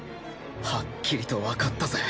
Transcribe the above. はっきりとわかったぜ。